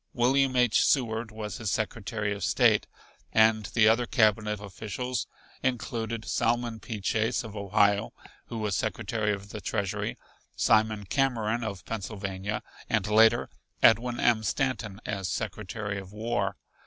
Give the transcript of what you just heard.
William H. Seward was his Secretary of State and the other cabinet officials included Salmon P. Chase of Ohio, who was Secretary of the Treasury, Simon Cameron of Pennsylvania, and later Edwin M. Stanton as Secretary of War.